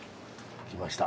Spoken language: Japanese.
きました。